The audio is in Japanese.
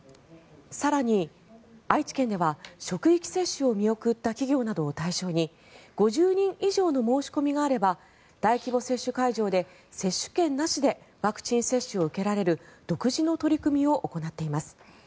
更に愛知県では職域接種を見送った企業などを対象に５０人以上の申し込みがあれば大規模接種会場で接種券なしでワクチン接種を受けられる独自の取り組みを行っています。